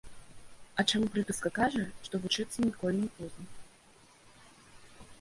А чаму прыказка кажа, што вучыцца ніколі не позна.